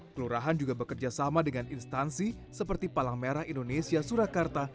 kelurahan juga bekerja sama dengan instansi seperti palang merah indonesia surakarta